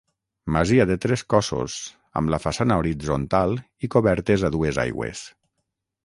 Masia de tres cossos, amb la façana horitzontal i cobertes a dues aigües.